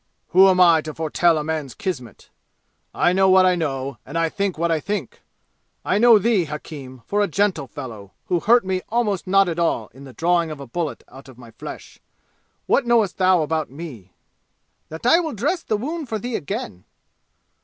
"Who am I to foretell a man's kismet? I know what I know, and I think what I think! I know thee, hakim, for a gentle fellow, who hurt me almost not at all in the drawing of a bullet out of my flesh. What knowest thou about me?" "That I will dress the wound for thee again!"